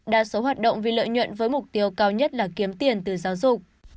đa số hoạt động vì lợi nhuận với mục tiêu cao nhất là kiếm tiền từ giáo dục